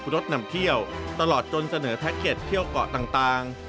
รถนำเที่ยวตลอดจนเสนอแท็กเก็ตเที่ยวเกาะต่าง